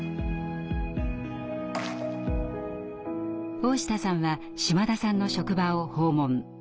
大下さんは島田さんの職場を訪問。